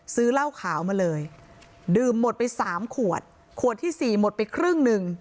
ซื้อเหล้าขาวมาเลยดื่มหมดไปสามขวดขวดที่สี่หมดไปครึ่งหนึ่ง